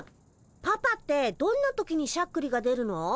パパってどんな時にしゃっくりが出るの？